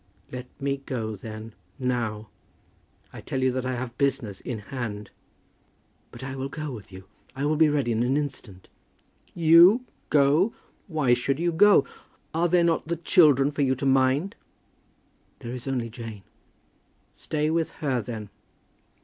"Let me go, then, now. I tell you that I have business in hand." "But I will go with you? I will be ready in an instant." "You go! Why should you go? Are there not the children for you to mind?" "There is only Jane." "Stay with her, then.